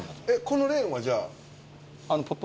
このレーンはじゃあ。